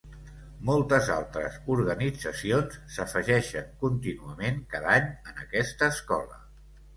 Moltes altres organitzacions s'afegeixen contínuament cada any en aquesta escola.